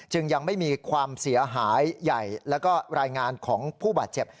ยังไม่มีความเสียหายใหญ่แล้วก็รายงานของผู้บาดเจ็บ